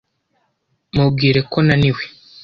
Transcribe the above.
Mubwire ko naniwe.